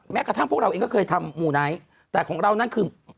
กระทั่งพวกเราเองก็เคยทำมูไนท์แต่ของเรานั่นคือ